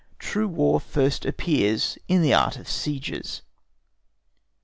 TRUE WAR FIRST APPEARS IN THE ART OF SIEGES.